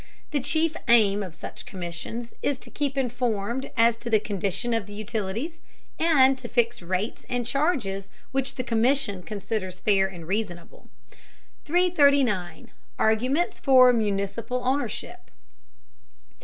The chief aim of such commissions is to keep informed as to the condition of the utilities, and to fix rates and charges which the commission considers fair and reasonable. 339. ARGUMENTS FOR MUNICIPAL OWNERSHIP.